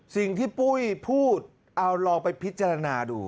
สิ่งที่ปุ้ยพูดเอาลองไปพิจารณาดู